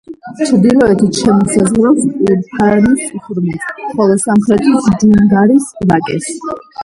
ჩრდილოეთით შემოსაზღვრავს ტურფანის ღრმულს, ხოლო სამხრეთით ჯუნგარის ვაკეს.